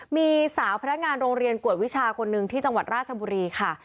มีสาวพนักงานโรงเรียนกวดวิชาคนหนึ่งที่จังหวัดราชบุรีค่ะ